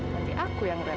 nanti aku yang repot